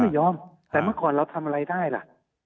ยอมแต่เมื่อก่อนเราทำอะไรได้ล่ะ